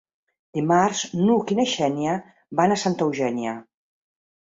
Dimarts n'Hug i na Xènia van a Santa Eugènia.